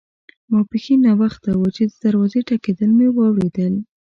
ماپښین ناوخته وو چې د دروازې ټکېدل مې واوریدل.